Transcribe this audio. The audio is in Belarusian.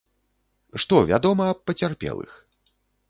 Што вядома аб пацярпелых?